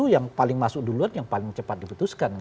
yang paling masuk duluan yang paling cepat diputuskan